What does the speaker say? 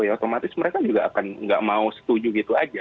ya otomatis mereka juga akan nggak mau setuju gitu aja